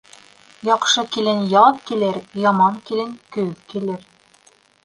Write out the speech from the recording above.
Яҡшы килен яҙ килер, яман килен көҙ килер.